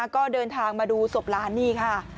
ก็เดินทางมาดูศพหลานนี่ค่ะ